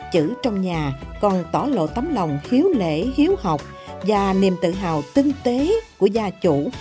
chữ trong nhà còn tỏ lộ tấm lòng khiếu lễ hiếu học và niềm tự hào tinh tế của gia chủ